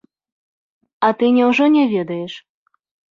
А ты няўжо не ведаеш?